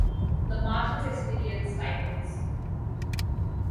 The Marshalls experience typhoons.